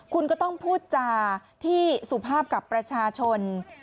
คุณก็ต้องพูดจาที่สุภาพกับประชาชน